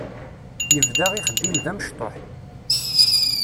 Yebda ixeddim d amecṭuḥ.